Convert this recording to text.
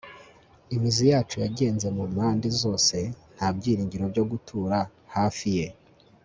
imizi yacu yagenze mu mpande zose, nta byiringiro byo gutura hafi ye